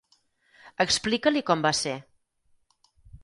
Explica-li com va ser.